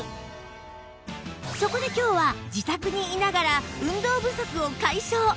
そこで今日は自宅にいながら運動不足を解消！